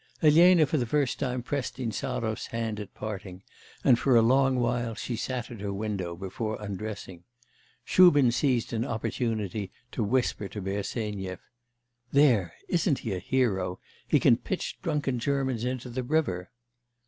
Elena for the first time pressed Insarov's hand at parting, and for a long while she sat at her window before undressing; Shubin seized an opportunity to whisper to Bersenyev: 'There, isn't he a hero; he can pitch drunken Germans into the river!